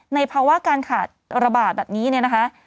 ภาวะการขาดระบาดแบบนี้เนี่ยนะคะ